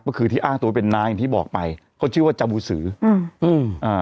ก็คือที่อ้างตัวเป็นน้าอย่างที่บอกไปเขาชื่อว่าจาบูสืออืมอืมอ่า